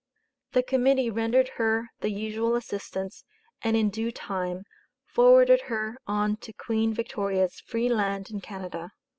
The Committee rendered her the usual assistance, and in due time, forwarded her on to Queen Victoria's free land in Canada.